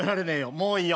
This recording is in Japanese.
もういいよ。